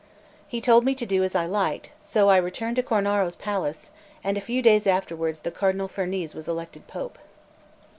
He told me to do as I liked; so I returned to Cornaro's palace, and a few days afterwards the Cardinal Farnese was elected Pope.